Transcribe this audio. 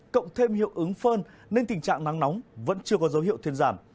cộng thêm hiệu ứng phơn nên tình trạng nắng nóng vẫn chưa có dấu hiệu thuyên giảm